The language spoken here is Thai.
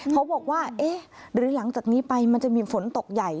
เขาบอกว่าเอ๊ะหรือหลังจากนี้ไปมันจะมีฝนตกใหญ่